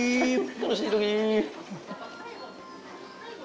悲しいとき。